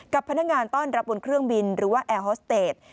กับพนักงานต้อนรับบนเครื่องบินหรือว่าแอร์ฮอสเตจ